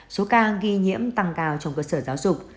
số ca nghi nhiễm tăng cao trong cơ sở giáo dục